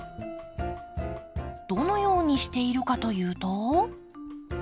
どのようにしているかというと。